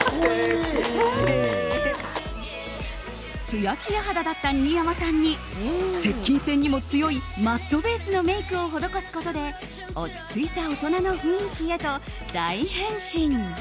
ツヤツヤ肌だった新山さんに接近戦にも強いマットベースのメイクを施すことで落ち着いた大人の雰囲気へと大変身。